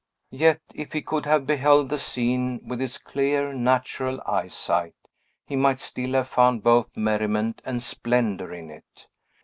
Yet, if he could have beheld the scene with his clear, natural eyesight, he might still have found both merriment and splendor in it.